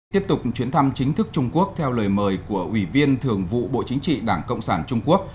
tiếp tục chuyến thăm chính thức trung quốc theo lời mời của ủy viên thường vụ bộ chính trị đảng cộng sản trung quốc